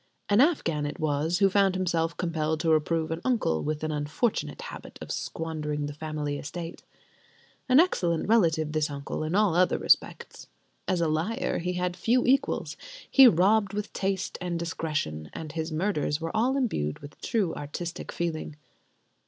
An Afghan it was who found himself compelled to reprove an uncle with an unfortunate habit of squandering the family estate. An excellent relative, this uncle, in all other respects. As a liar, he had few equals; he robbed with taste and discretion; and his murders were all imbued with true artistic feeling.